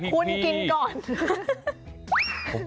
คุณกินก่อน